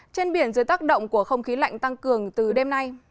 trên biển dưới tác động của không khí lạnh tăng cường từ đêm nay